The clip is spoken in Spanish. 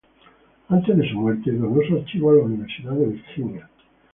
Antes de su muerte donó su archivo a la Universidad de Virginia.